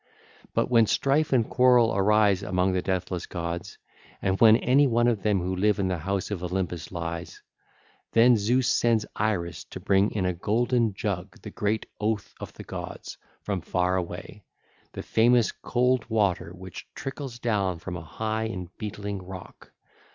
But when strife and quarrel arise among the deathless gods, and when any of them who live in the house of Olympus lies, then Zeus sends Iris to bring in a golden jug the great oath of the gods from far away, the famous cold water which trickles down from a high and beetling rock.